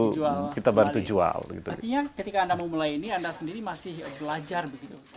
artinya ketika anda mau mulai ini anda sendiri masih belajar begitu